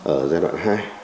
ở giai đoạn hai